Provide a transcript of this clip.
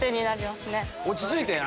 落ち着いてな。